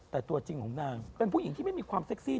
แต่ตัวจริงของนางเป็นผู้หญิงที่ไม่มีความเซ็กซี่